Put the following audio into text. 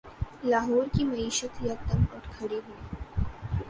لاہور کی معیشت یکدم اٹھ کھڑی ہو۔